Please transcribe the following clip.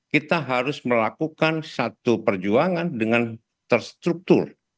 kita harus melakukan satu perjuangan dengan terstruktur